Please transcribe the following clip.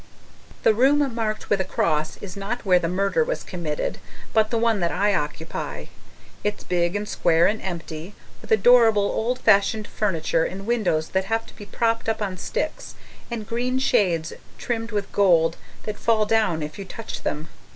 The room marked with a cross is not where the murder was committed, but the one that I occupy. It's big and square and empty, with adorable old fashioned furniture and windows that have to be propped up on sticks and green shades trimmed with gold that fall down if you touch them.